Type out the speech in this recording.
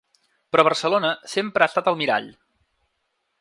Però Barcelona sempre ha estat el mirall.